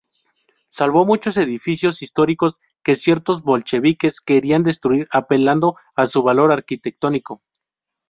Salvó muchos edificios históricos que ciertos bolcheviques querían destruir, apelando a su valor arquitectónico.